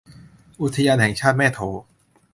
อุทยานแห่งชาติแม่โถ